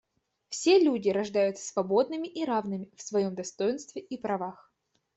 Все люди рождаются свободными и равными в своем достоинстве и правах.